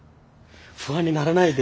不安にならないで。